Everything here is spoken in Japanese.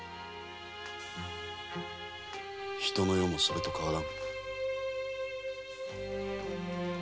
人の世もそれと変わらん。